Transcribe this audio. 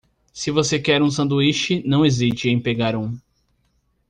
Se você quer um sanduíche, não hesite em pegar um.